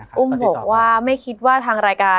มันทำให้ชีวิตผู้มันไปไม่รอด